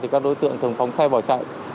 các đối tượng thường phóng xe bỏ chạy